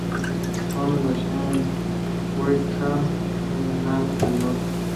Holmes nació en Wrexham, en Gales Del norte.